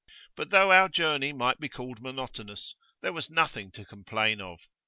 But though our journey might be called monotonous, there was nothing to complain of.